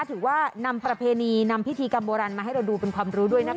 ถือว่านำประเพณีพิธีกรรมโบรันมาให้เราดูเป็นความรู้